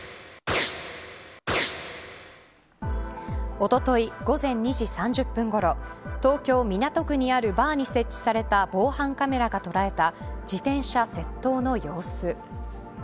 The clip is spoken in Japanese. おととい、午前２時３０分ごろ東京・港区にあるバーに設置された防犯カメラが捉えた自転車窃盗の様子。